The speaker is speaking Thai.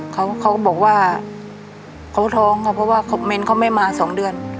เขาเขาบอกว่าเขาท้องครับเพราะว่าเขาไม่มาสองเดือน